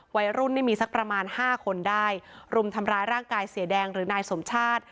วัยรุ่นนี่มีสักประมาณห้าคนได้รุมทำร้ายร่างกายเสียแดงหรือนายสมชาติ